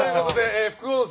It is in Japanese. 副音声